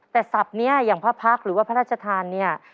แต่ศัพท์เนี่ยอย่างพระพักษ์หรือว่าพระราชทานเนี่ย